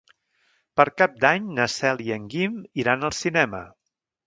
Per Cap d'Any na Cel i en Guim iran al cinema.